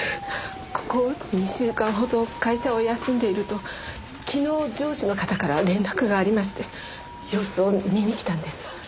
ここ２週間ほど会社を休んでいると昨日上司の方から連絡がありまして様子を見に来たんです。